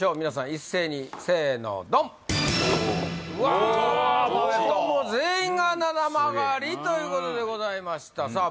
一斉にせのドン全員がななまがりということでございましたさあ